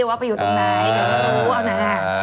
ว่าไปอยู่ตรงไหนจะรู้อ้ะนา